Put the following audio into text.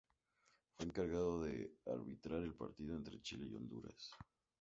Fue el encargado de arbitrar el partido entre Chile y Honduras.